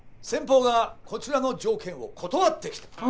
先方がこちらの条件を断ってきた。